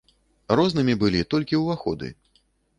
Рознымі былі толькі ўваходы.